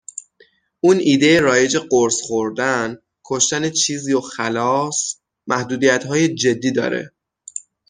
اون ایده رایج قرص خوردن، کشتن چیزی و خلاص، محدودیتهای جدی داره